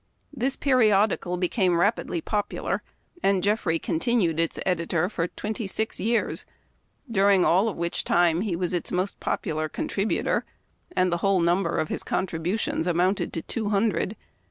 This periodical be came rapidly popular, and Jeffrey continued its editor for twenty six years, during all of which time he was its most popular contributor, and the whole number of his contribu tions amounted to two hundred.